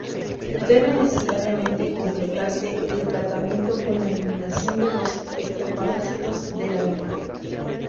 Debe necesariamente completarse el tratamiento con la eliminación de los ectoparásitos del animal.